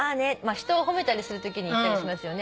人を褒めたりするときに言ったりしますよね。